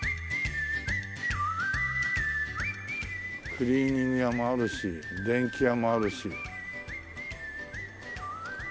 クリーニング屋もあるし電器屋もあるし。